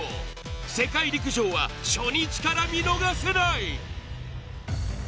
世界陸上は初日から見逃せない！